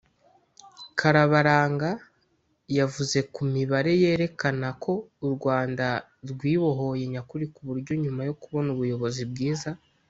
Karabaranga yavuze ku mibare yerekana ko u Rwanda rwibohoye nyakuri ku buryo nyuma yo kubona ubuyobozi bwiza